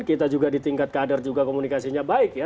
kita juga di tingkat kader juga komunikasinya baik ya